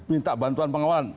minta bantuan pengawalan